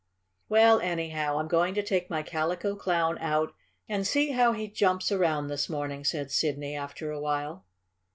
"Well, anyhow, I'm going to take my Calico Clown out and see how he jumps around this morning," said Sidney, after a while.